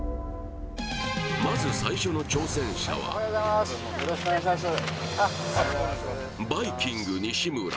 まず最初の挑戦者はおはようございますよろしくお願いします